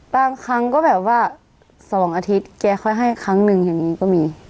บางครั้งก็แบบว่า๒อาทิตย์แกค่อยให้ครั้งหนึ่งอย่างนี้ก็มี